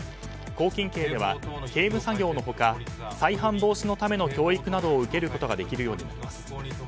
拘禁刑では刑務作業の他再犯防止のための教育などを受けることができるようになります。